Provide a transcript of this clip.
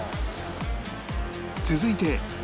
続いて